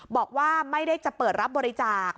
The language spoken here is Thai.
บอกว่าไม่ได้จะเปิดรับบริจาค